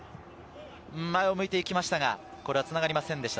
前を向いていきましたがこれはつながりませんでした。